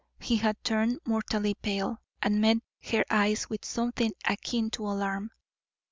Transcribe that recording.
He had turned mortally pale, and met her eyes with something akin to alarm.